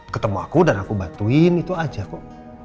ketemu aku dan aku bantuin itu aja kok